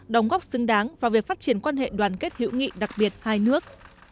đóng góp xứng đáng vào việc phát triển quan hệ đoàn kết hữu nghị đặc biệt hai nước